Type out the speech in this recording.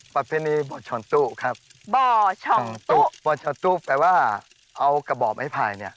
ประเภณีบอช่องตู้ครับบอช่องตู้บอช่องตู้แปลว่าเอากระบอกไม่ไผ่เนี่ย